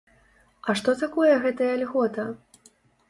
А што такое гэтая льгота?